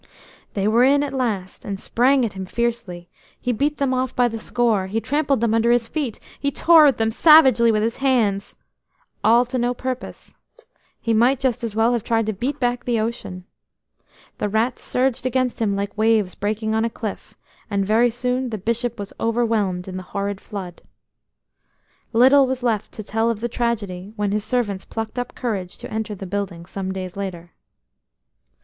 They were in at last, and sprang at him fiercely.... He beat them off by the score; he trampled them under his feet; he tore at them savagely with his hands–all to no purpose; he might just as well have tried to beat back the ocean. The rats surged against him like waves breaking on a cliff, and very soon the Bishop was overwhelmed in the horrid flood. Little was left to tell of the tragedy when his servants plucked up courage to enter the building some days later.